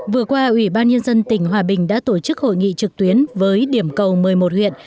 vừa qua ủy ban nhân dân tỉnh hòa bình đã tổ chức hội nghị trực tuyến với điểm cầu một mươi một huyện